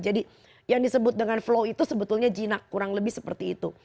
jadi yang disebut dengan flow itu sebetulnya jinak kurang lebih seperti itu